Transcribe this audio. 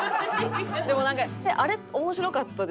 でもなんかあれ面白かったです。